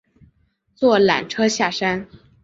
坐缆车下山